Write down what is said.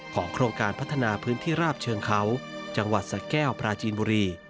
โครงการพัฒนาพื้นที่ราบเชิงเขาจังหวัดสะแก้วปราจีนบุรี